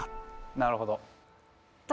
なるほど。